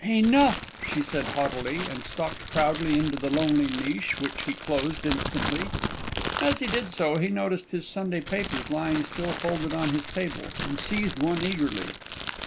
"Enough!" she said haughtily, and stalked proudly into the lonely niche, which he closed instantly. As he did so, he noticed his Sunday papers lying still folded on his table, and seized one eagerly.